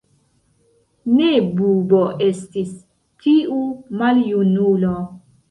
Ne bubo estis, tiu maljunulo.